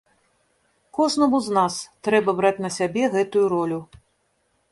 Кожнаму з нас трэба браць на сябе гэтую ролю.